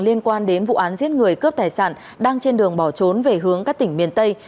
liên quan đến vụ án giết người cướp tài sản đang trên đường bỏ trốn về hướng các tỉnh miền tây